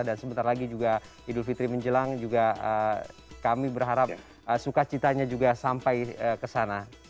dan sebentar lagi juga idul fitri menjelang juga kami berharap sukacitanya juga sampai ke sana